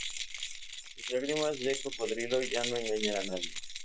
Tus lágrimas de cocodrilo ya no engañan a nadie